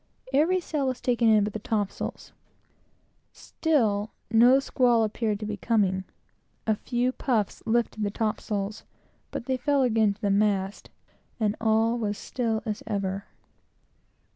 Every sail was taken in but the topsails, still, no squall appeared to be coming. A few puffs lifted the topsails, but they fell again to the mast, and all was as still as ever.